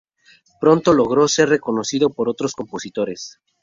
Pronto logró ser reconocido por otros compositores.